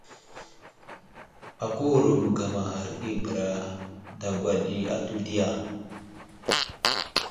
Akáwuro a məgamaghar i bəra dagwa ɗi atu diya ?